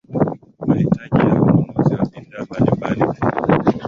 mahitaji ya ununuzi wa bidhaa mbalimbali